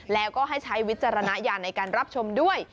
แล้วก็ให้ใช้วิจารณญาณในการรับชมด้วย